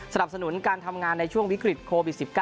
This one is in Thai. สนับสนุนการทำงานในช่วงวิกฤตโควิด๑๙